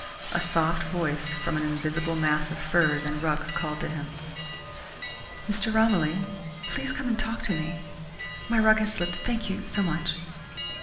A soft voice from an invisible mass of furs and rugs, called to him. "Mr. Romilly, please come and talk to me. My rug has slipped thank you so much.